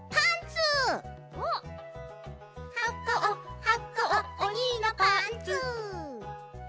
「はこうはこうおにのパンツ」